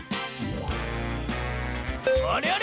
あれあれ？